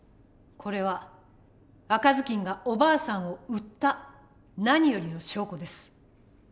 これは赤ずきんがおばあさんを売った何よりの証拠です。